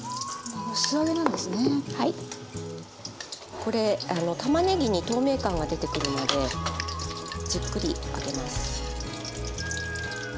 これたまねぎに透明感が出てくるまでじっくり揚げます。